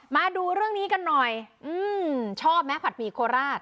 มาดูเรื่องนี้กันหน่อยชอบไหมผัดหมี่โคราช